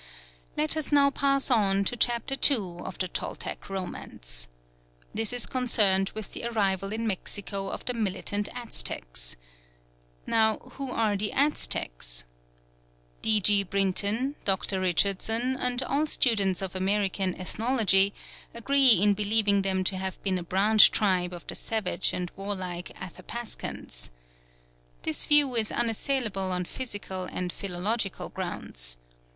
Let us now pass on to Chapter 2 of the Toltec romance. This is concerned with the arrival in Mexico of the militant Aztecs. Now who are the Aztecs? D. G. Brinton, Dr. Richardson, and all students of American ethnology agree in believing them to have been a branch tribe of the savage and warlike Athapascans. This view is unassailable on physical and philological grounds.